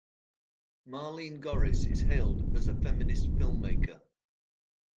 Marleen Gorris is hailed as a feminist filmmaker.